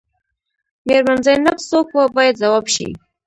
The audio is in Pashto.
میرمن زینب څوک وه باید ځواب شي.